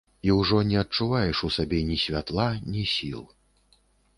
І ўжо не адчуваеш ў сабе ні святла, ні сіл.